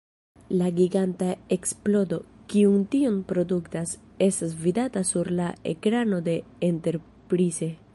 La giganta eksplodo, kiun tio produktas, estas vidata sur la ekrano de Enterprise.